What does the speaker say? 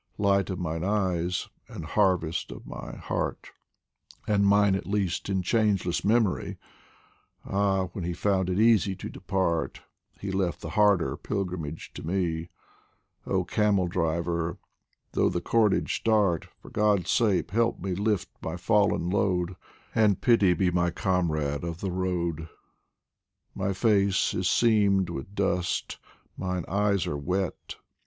Light of mine eyes and harvest of my heart, And mine at least in changeless memory ! Ah, w r hen he found it easy to depart, He left the harder pilgrimage to me ! Oh Camel driver, though the cordage start, For God's sake help me lift my fallen load, And Pity be my comrade of the road ! My face is seamed with dust, mine eyes are wet.